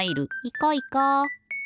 いこいこ。